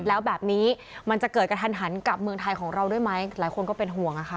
แล้วแบบนี้มันจะเกิดกระทันหันกับเมืองไทยของเราด้วยไหมหลายคนก็เป็นห่วงอะค่ะ